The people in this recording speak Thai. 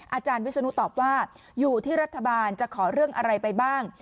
อาจารย์วิศนุตอบว่าอยู่ที่รัฐบาลจะขอเรื่องอะไรไปบ้าง